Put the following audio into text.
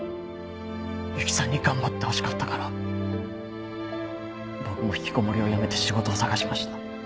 ＹＵＫＩさんに頑張ってほしかったから僕も引きこもりをやめて仕事を探しました。